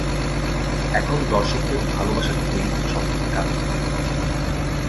এখন দর্শকদের ভালোবাসাটুকুই সব থেকে কাঙ্ক্ষিত।